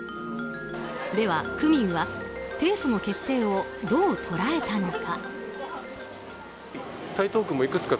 では区民は提訴の決定をどう捉えたのか。